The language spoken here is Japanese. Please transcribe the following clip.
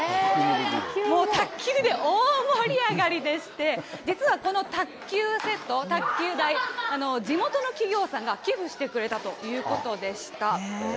もう卓球で大盛り上がりでして、実は、この卓球セット、卓球台、地元の企業さんが寄付してくれたということでした。